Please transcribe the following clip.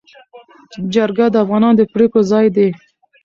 جرګه د افغانانو د پرېکړو ځای دی.